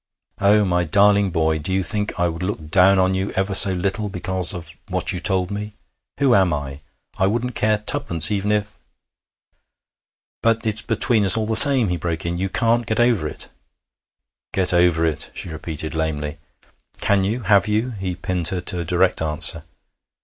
Oh, my darling boy! do you think I would look down on you ever so little because of what you told me? Who am I? I wouldn't care twopence even if ' 'But it's between us all the same,' he broke in. 'You can't get over it.' 'Get over it!' she repeated lamely. 'Can you? Have you?' He pinned her to a direct answer.